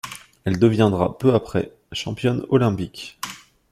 Elle deviendra peu après championne olympique.